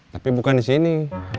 tapi bukan di sini